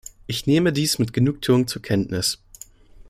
Ich nehme dies mit Genugtuung zur Kenntnis.